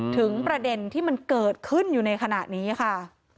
ถึงประเด็นที่มันเกิดขึ้นอยู่ในขณะนี้ค่ะ